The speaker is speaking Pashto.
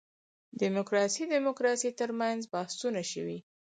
دیموکراسي دیموکراسي تر منځ بحثونه شوي.